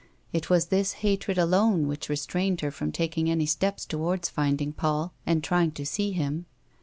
It was this hatred alone which restrained her from taking any steps towards finding Paul and trying to see him.